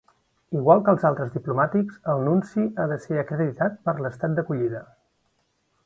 Igual que els altres diplomàtics, el nunci ha de ser acreditat per l'Estat d'acollida.